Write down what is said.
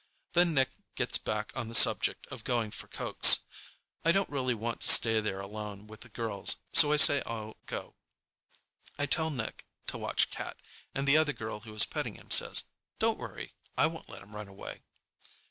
Then Nick gets back on the subject of going for cokes. I don't really want to stay there alone with the girls, so I say I'll go. I tell Nick to watch Cat, and the girl who is petting him says, "Don't worry, I won't let him run away."